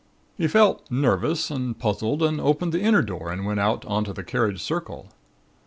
"He felt nervous and puzzled and opened the inner door and went out on to the carriage circle.